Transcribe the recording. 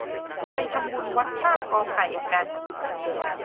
ไปทำบุญวัดชากกอไผ่กัน